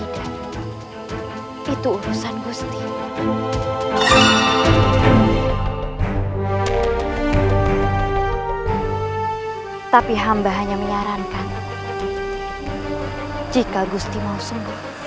dan juga raden wangsung